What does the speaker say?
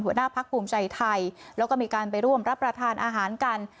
หัวหน้าพักภูมิใจไทยแล้วก็มีการไปร่วมรับประทานอาหารกัน